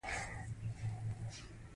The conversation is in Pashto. د اوزون سورۍ خطرناک دی